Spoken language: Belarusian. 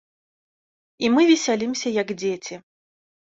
І мы весялімся, як дзеці.